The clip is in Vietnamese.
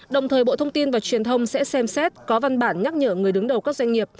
đồng thời bộ thông tin và truyền thông sẽ xem xét có văn bản nhắc nhở người đứng đầu các doanh nghiệp